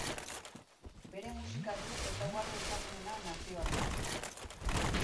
Bere musika du ezaugarri ezagunena nazioartean.